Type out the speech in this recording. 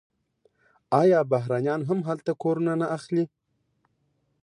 آیا بهرنیان هم هلته کورونه نه اخلي؟